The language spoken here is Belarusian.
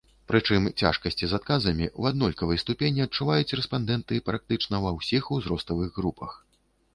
Прычым цяжкасці з адказамі ў аднолькавай ступені адчуваюць рэспандэнты практычна ва ўсіх узроставых групах.